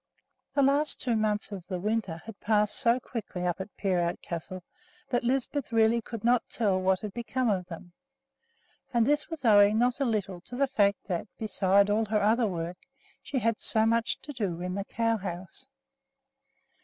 The last two months of the winter had passed so quickly up at Peerout Castle that Lisbeth really could not tell what had become of them; and this was owing not a little to the fact that, besides all her other work, she had so much to do in the cow house.